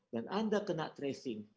dan anda kena tracing